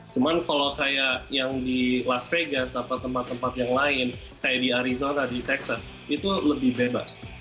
cuman kalau kayak yang di las vegas atau tempat tempat yang lain kayak di arizota di texas itu lebih bebas